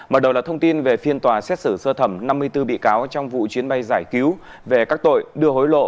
mở đầu là thông tin về phiên tòa xét xử sơ thẩm năm mươi bốn bị cáo trong vụ chuyến bay giải cứu về các tội đưa hối lộ